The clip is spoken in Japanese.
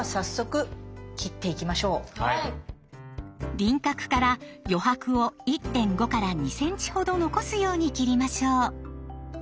輪郭から余白を１．５２ｃｍほど残すように切りましょう。